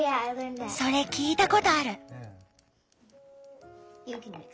それ聞いたことある！